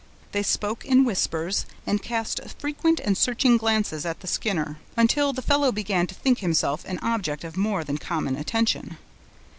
They spoke in whispers, and cast frequent and searching glances at the Skinner, until the fellow began to think himself an object of more than common attention.